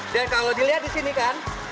dan kalau dilihat di sini kan